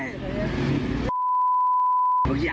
เย็บหน่อย